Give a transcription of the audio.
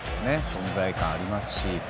存在感ありますし。